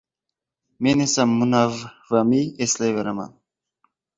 Men esa Munav- vami eslayveraman.